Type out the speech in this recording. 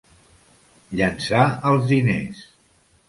Llençar els diners.